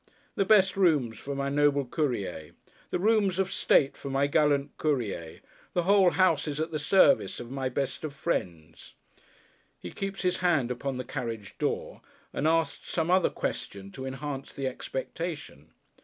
The best rooms for my noble Courier. The rooms of state for my gallant Courier; the whole house is at the service of my best of friends! He keeps his hand upon the carriage door, and asks some other question to enhance the expectation.